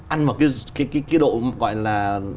ăn vào cái độ gọi là